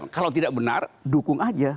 kalau tidak benar dukung aja